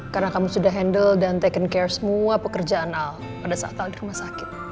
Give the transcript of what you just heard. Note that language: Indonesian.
karena kamu sudah handle dan taken care semua pekerjaan al pada saat al di rumah sakit